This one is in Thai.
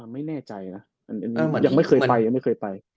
ไม่แน่ใจนะยังไม่เคยไปยังไม่เคยไป